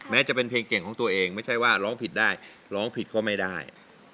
แม้จะเป็นเพลงเก่งของตัวเองไม่ใช่ว่าร้องผิดได้ร้องผิดก็ไม่ได้